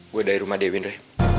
gue dari rumah dewi indra